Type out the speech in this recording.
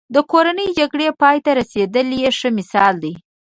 د کورنۍ جګړې پای ته رسېدل یې ښه مثال دی.